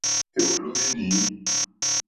Hwèwòló hwé nǐ.